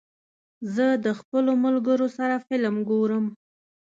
زه د خپلو ملګرو سره فلم ګورم.